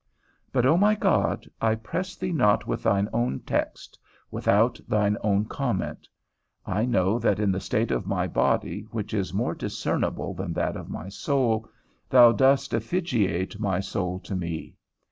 But, O my God, I press thee not with thine own text, without thine own comment; I know that in the state of my body, which is more discernible than that of my soul, thou dost effigiate my soul to me.